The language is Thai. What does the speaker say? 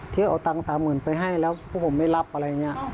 ที่เอาตังค์๓๐๐๐ไปให้แล้วพวกผมไม่รับอะไรอย่างนี้